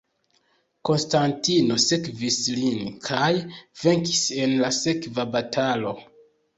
Konstantino sekvis lin, kaj venkis en la sekva batalo.